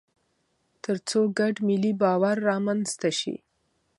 تر څو ګډ ملي باور رامنځته شي.